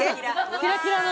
キラキラの。